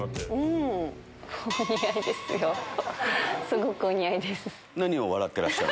すごくお似合いです。